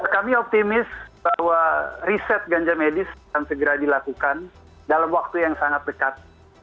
kami optimis bahwa riset ganja medis akan segera dilakukan dalam waktu yang sangat dekat